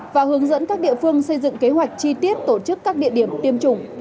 và hướng dẫn các địa phương xây dựng kế hoạch chi tiết tổ chức các địa điểm tiêm chủng